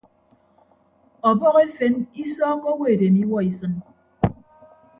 Ọbọhọ efen isọọkkọ owo edem iwuọ isịn.